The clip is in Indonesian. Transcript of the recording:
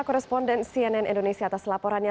koresponden cnn indonesia atas laporannya